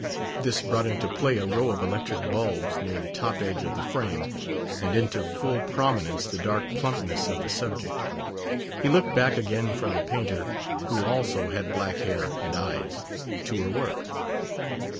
This brought into play a row of electric bulbs near the top edge of the frame and into full prominence the dark plumpness of the subject. He looked back again from the painter (who also had black hair and eyes) to her work.